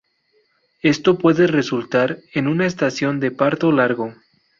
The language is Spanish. Esto puede resultar en una estación de parto largo.